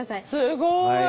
すごい。